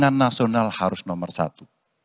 pembangunan nasional harus nomor satu